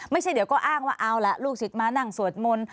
ไม่ใช่เดี๋ยวก็อ้างว่าเอาล่ะลูกศิษย์มานั่งสวดมนต์